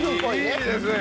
いいですね。